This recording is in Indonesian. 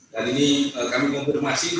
dan ini kami konfirmasi